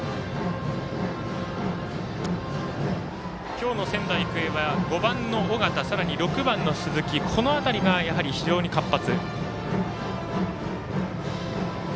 今日の仙台育英は５番の尾形、６番の鈴木この辺りが、やはり非常に活発。